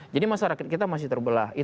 jadi masyarakat kita masih terbelah